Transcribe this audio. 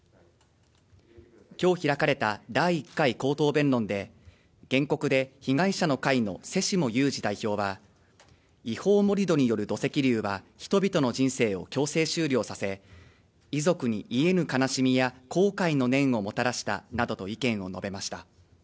きょう開かれた第１回口頭弁論で原告で被害者の会の瀬下雄史代表は違法盛り土による土石流は人々の人生を強制終了させ遺族に癒えぬ悲しみや後悔の念をもたらしたなどと意見を述べました